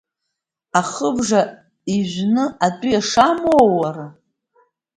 Ахыбжа ижәны атәыҩа шамоуу, уара?!